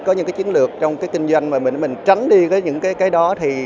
có những chiến lược trong kinh doanh mà mình tránh đi những cái đó thì